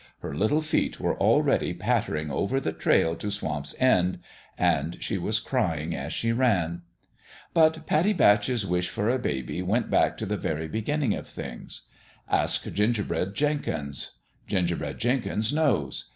Her little feet were already pattering over the trail to Swamp's End ; and she was crying as she ran. But Pattie Batch's wish for a baby went back to the very beginnings of things. Ask Ginger "The WISTFUL HEART 91 bread Jenkins. Gingerbread Jenkins knows.